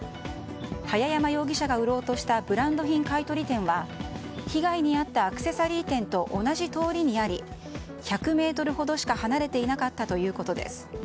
早山容疑者が売ろうとしたブランド品買い取り店は被害に遭ったアクセサリー店と同じ通りにあり１００ｍほどしか離れていなかったということです。